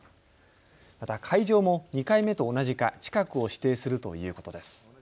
また会場も２回目と同じか近くを指定するということです。